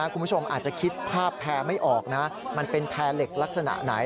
คุณผู้ชมอาจจะคิดภาพแพร่ไม่ออกนะมันเป็นแพร่เหล็กลักษณะไหน